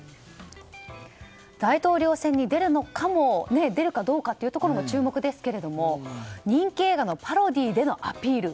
大統領選に出るかどうかというところも注目ですが、人気映画のパロディーでのアピール